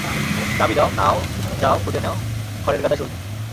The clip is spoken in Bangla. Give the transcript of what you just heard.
চাবি দাও - নাও যাও খুঁজে নেও, খড়ের গাদায় সুই।